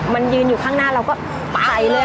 มันยืนอยู่ข้างหน้าเราก็ไปเลย